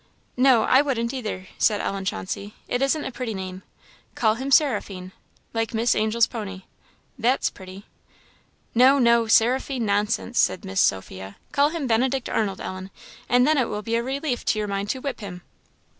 "No, I wouldn't either," said Ellen Chauncey; "it isn't a pretty name. Call him Seraphine! like Miss Angell's pony that's pretty." "No, no 'Seraphine!' nonsense!" said Miss Sophia; "call him Benedict Arnold, Ellen; and then it will be a relief to your mind to whip him."